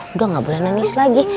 udah gak boleh nangis lagi